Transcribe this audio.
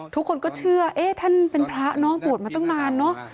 ทุกคนก็เชื่อท่านเป็นพระเนอะบวชมาตั้งนานเนอะ